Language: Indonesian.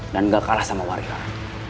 dan gak kalah sama warior